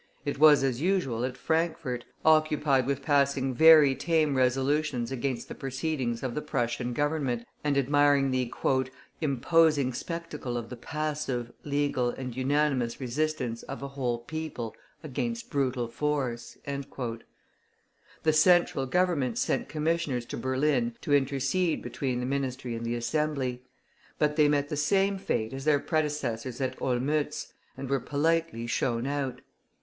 It was, as usual, at Frankfort, occupied with passing very tame resolutions against the proceedings of the Prussian Government, and admiring the "imposing spectacle of the passive, legal, and unanimous resistance of a whole people against brutal force." The Central Government sent commissioners to Berlin to intercede between the Ministry and the Assembly; but they met the same fate as their predecessors at Olmütz, and were politely shown out.